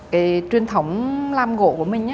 cái truyền thống làm gỗ của mình